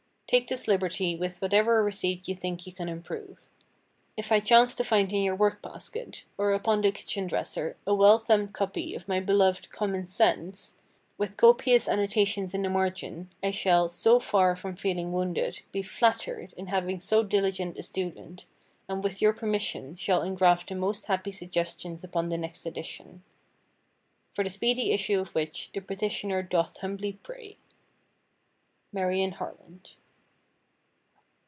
Take this liberty with whatever receipt you think you can improve. If I chance to find in your work basket, or upon the kitchen dresser, a well thumbed copy of my beloved "Common Sense," with copious annotations in the margin, I shall, so far from feeling wounded, be flattered in having so diligent a student, and, with your permission, shall engraft the most happy suggestions upon the next edition. For the speedy issue of which, the petitioner doth humbly pray. MARION HARLAND.